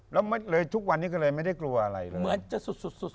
และโลคทุกวันนี้ก็เลยไม่ได้กลัวอะไรเลย